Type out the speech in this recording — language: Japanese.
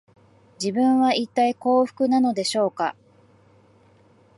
自分は、いったい幸福なのでしょうか